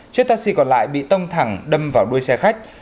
chiếc taxi còn lại bị tông thẳng đâm vào đuôi xe khách